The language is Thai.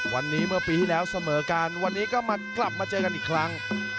วันนี้เมื่อปีที่แล้วเสมอกันวันนี้ก็มากลับมาเจอกันอีกครั้ง